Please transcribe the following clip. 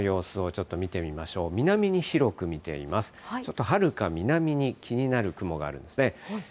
ちょっとはるか南に気になる雲があるんですね。